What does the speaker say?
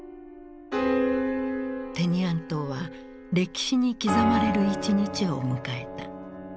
テニアン島は歴史に刻まれる一日を迎えた。